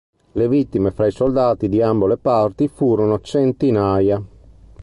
Le vittime fra i soldati di ambo le parti furono centinaia.